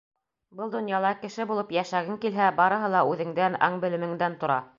Был донъяла кеше булып йәшәгең килһә, барыһы ла үҙеңдән, аң-белемеңдән тора.